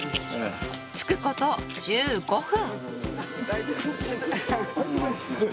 つくこと１５分。